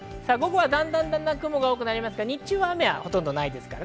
雲が多くなりますが日中は雨はほとんどないです。